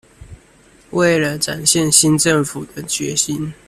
為了展現新政府的決心